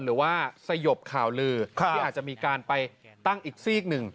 หรือว่าสยบข่าวลือที่อาจจะมีการไปตั้งอีกซีกหนึ่ง